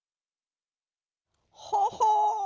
「ほほう！